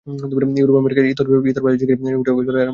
ইউরোপ-আমেরিকায় ইতরজাতিরা জেগে উঠে ঐ লড়াই আগে আরম্ভ করে দিয়েছে।